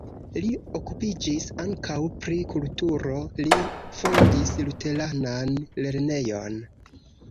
Li okupiĝis ankaŭ pri kulturo, li fondis luteranan lernejon.